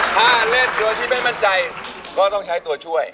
ถ้าเล่นโดยที่ไม่มั่นใจก็ต้องใช้ตัวช่วย